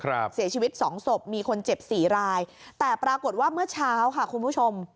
เสียชีวิตสองศพมีคนเจ็บสี่รายแต่ปรากฏว่าเมื่อเช้าค่ะคุณผู้ชม